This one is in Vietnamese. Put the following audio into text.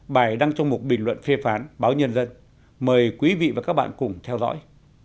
bài đăng trong một bình luận phê phán báo nhân dân mời quý vị và các bạn cùng theo dõi